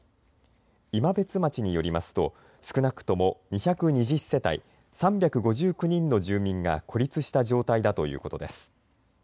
今別町によりますと少なくとも２２０世帯、３５９人の住民が孤立した状態だということです。